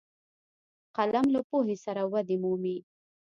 قلم له پوهې سره ودې مومي